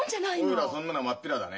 おいらそんなのは真っ平だね。